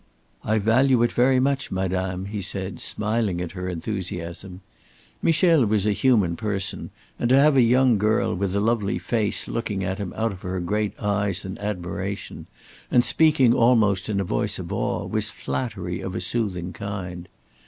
"I value it very much, madame," he said, smiling at her enthusiasm. Michel was a human person; and to have a young girl with a lovely face looking at him out of her great eyes in admiration, and speaking almost in a voice of awe, was flattery of a soothing kind.